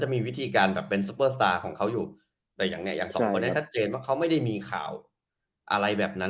ใช่มันก็จะเป็นเป็นเป็นวิถีสตาร์